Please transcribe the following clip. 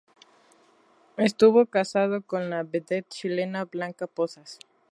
Estuvo casado con la vedette chilena Blanca Pozas.